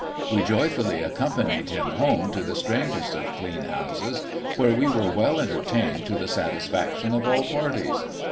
We joyfully accompanied him home to the strangest of clean houses, where we were well entertained to the satisfaction of all parties.